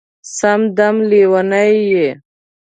سم دم لېونی یې